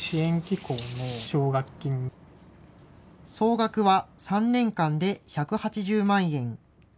総額は３年間で１８０万円。